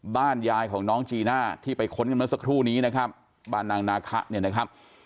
บ้านยายของน้องจีน่าที่ไปค้นกันเมื่อสักครู่นี้นะครับบ้านนางนาคะเนี่ยนะครับ